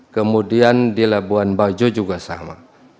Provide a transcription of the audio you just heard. kemudian di labuan bajo juga sama